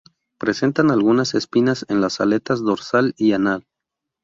Presentan algunas espinas en las aletas dorsal y anal.